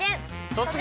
「突撃！